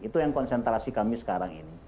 itu yang konsentrasi kami sekarang ini